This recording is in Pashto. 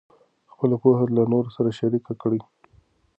خپله پوهه له نورو سره شریک کړئ.